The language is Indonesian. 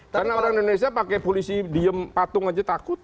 karena orang indonesia pakai polisi diem patung aja takut